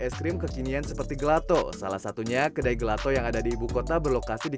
es krim kekinian seperti gelato salah satunya kedai gelato yang ada di ibu kota berlokasi di